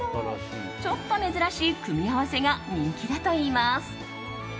ちょっと珍しい組み合わせが人気だといいます。